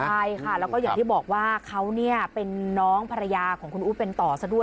ใช่ค่ะแล้วก็อย่างที่บอกว่าเขาเป็นน้องภรรยาของคุณอู๊ดเป็นต่อซะด้วย